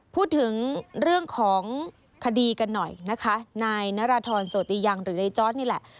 พูดถึงเรื่องของคดีกันหน่อยนะคะนายนราธรโสติยังหรือในจอร์ดนี่แหละ